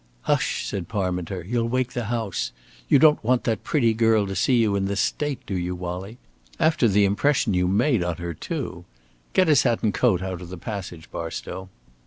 "Hush!" said Parminter. "You'll wake the house. You don't want that pretty girl to see you in this state, do you, Wallie? After the impression you made on her, too! Get his hat and coat out of the passage, Barstow."